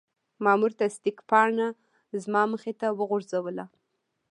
مامور تصدیق پاڼه زما مخې ته وغورځوله.